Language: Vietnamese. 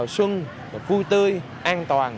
xuân vui tươi an toàn